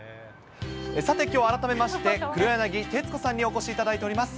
さて、きょう改めまして黒柳徹子さんにお越しいただいております。